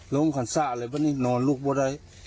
ล้มขันซ่าเลยปะนี่รุกไม่ได้